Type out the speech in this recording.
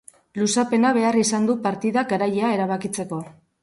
Luzapena behar izan du partidak garailea erabakitzeko.